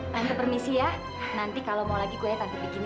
tante permisi ya nanti kalau mau lagi kuliah tante bikin ya